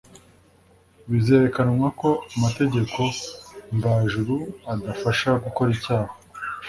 . Bizerekanwa ko amategeko mvajuru adafasha gukora icyaha